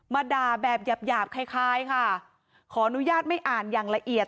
มาด่าแบบหยาบหยาบคล้ายคล้ายค่ะขออนุญาตไม่อ่านอย่างละเอียด